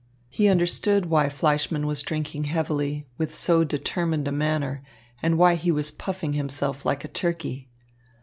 He understood why Fleischmann was drinking heavily, with so determined a manner, and why he was puffing himself like a turkey.